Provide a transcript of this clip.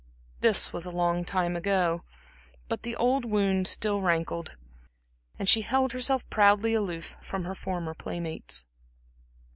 This was a long time ago; but the old wound still rankled, and she held herself proudly aloof from her former playmates.